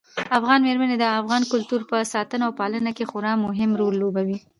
افغان مېرمنې د افغاني کلتور په ساتنه او پالنه کې خورا مهم رول لوبوي.